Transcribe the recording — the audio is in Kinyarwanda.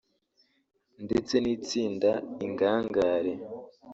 ndetse n’Itsinda Ingangare